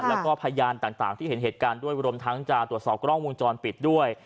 แล้วก็พยานต่างที่เห็นเหตุการณ์ด้วยรวมทั้งจะตรวจสอบกล้องวงจรปิดด้วย